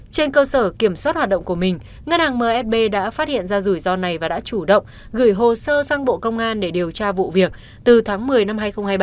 trên cơ sở kiểm soát hoạt động của mình ngân hàng msb đã phát hiện ra rủi ro này và đã chủ động gửi hồ sơ sang bộ công an để điều tra vụ việc từ tháng một mươi năm hai nghìn hai mươi ba